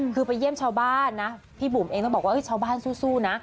คือไปเยี่ยมชาวบ้านนะพี่บุ๋มเองต้องบอกว่าชาวบ้านสู้นะ